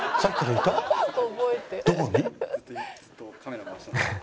どこに？